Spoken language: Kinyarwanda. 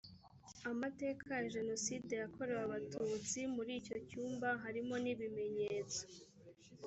amateka ya jenoside yakorewe abatutsi muri icyo cyumba harimo n ibimenyetso